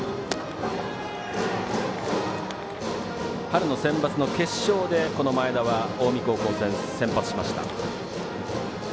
春のセンバツの決勝でこの前田は近江高校戦先発しました。